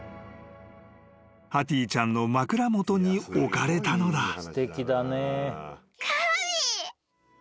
［ハティちゃんの枕元に置かれたのだ］